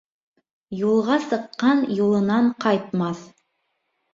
Юлға сыҡҡан юлынан ҡайтмаҫ